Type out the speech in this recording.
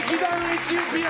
エチオピア！